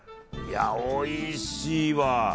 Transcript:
おいしいわ。